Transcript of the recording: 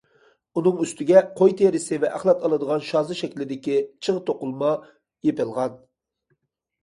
ئۇنىڭ ئۈستىگە قوي تېرىسى ۋە ئەخلەت ئالىدىغان شازا شەكىلدىكى چىغ توقۇلما يېپىلغان.